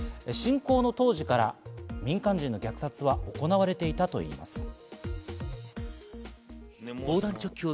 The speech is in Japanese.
侵攻の当時から民間人の虐殺は行われていたといいます。